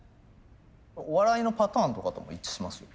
お笑いのパターンとかとも一致しますよ。